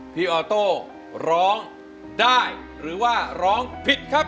ออโต้ร้องได้หรือว่าร้องผิดครับ